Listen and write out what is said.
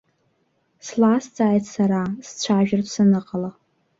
Слазҵааит сара, сцәажәартә саныҟала.